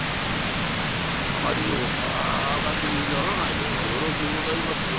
「あまりお捜しにならない方がよろしゅうございますぞ。